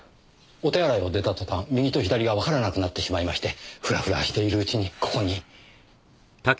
お手洗いを出た途端右と左がわからなくなってしまいましてフラフラしているうちにここに。